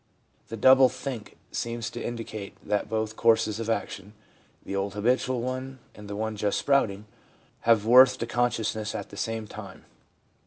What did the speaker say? The ' double think ' seems to indicate that both courses of action — the old habitual one and the one just sprouting — have worth to consciousness at the same time.